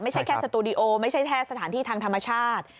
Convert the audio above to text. ไม่ใช่แค่สตูดิโอไม่ใช่แค่สถานที่ทางธรรมชาติ